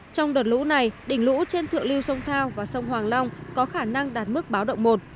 trong đợt lũ này đỉnh lũ trên thượng lưu sông thao và sông hoàng long có khả năng đạt mức báo động một